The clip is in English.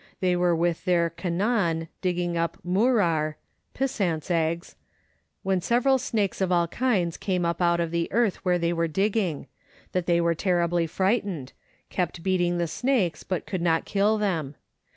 They were with their kannan digging up murrar (piss ants' eggs), when several snakes of all kinds came up out of the earth where they were digging ; that they were terribly frightened ; kept beating the snakes but could not kill them.